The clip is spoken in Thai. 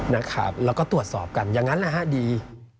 แล้วก็ตรวจสอบกันอย่างนั้นแหละฮะดี